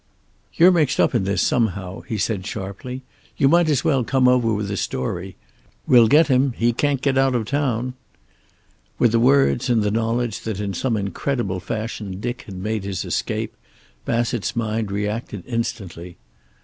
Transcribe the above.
"You're mixed up in this somehow," he said sharply. "You might as well come over with the story. We'll get him. He can't get out of this town." With the words, and the knowledge that in some incredible fashion Dick had made his escape, Bassett's mind reacted instantly.